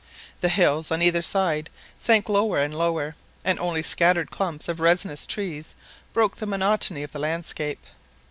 The hills on either side sank lower and lower, and only scattered clumps of resinous trees broke the monotony of the landscape.